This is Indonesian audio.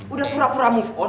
udah pura pura move on